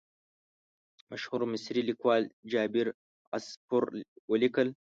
مشهور مصري لیکوال جابر عصفور ولیکل.